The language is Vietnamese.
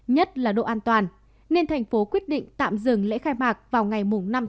nhất là độ an toàn nên thành phố quyết định tạm dừng lễ khai mạc vào ngày năm bốn